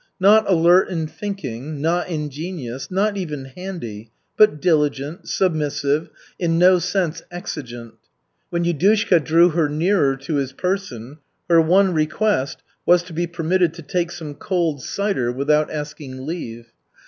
Not alert in thinking, not ingenious, not even handy, but diligent, submissive, in no sense exigent. When Yudushka "drew her nearer" to his person, her one request was to be permitted to take some cold cider without asking leave.